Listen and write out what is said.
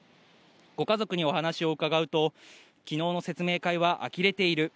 ご家族にお話を伺うと、きのうの説明会はあきれている。